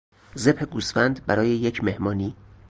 ذبح گوسفند برای یک مهمانی